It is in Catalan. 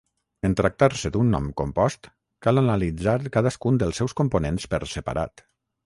En tractar-se d'un nom compost, cal analitzar cadascun dels seus components per separat.